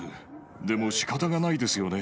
でもしかたがないですよね。